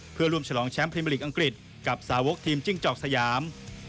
เพื่อร่วมฉลองแชมป์พรีเมอร์ลีกอังกฤษกับสาวกทีมจิ้งจอกสยาม